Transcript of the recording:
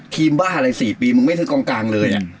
ทีมบ้าอะไร๔ปีมึงไม่ซื้อกองกลางเลยอ่ะ